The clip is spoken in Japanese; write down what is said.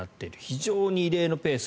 非常に異例のペース。